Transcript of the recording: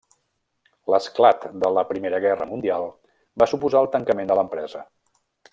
L'esclat de la Primera Guerra Mundial va suposar el tancament de l'empresa.